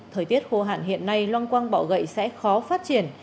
thời tiết khô hạn hiện nay long quang bọ gậy sẽ khó phát triển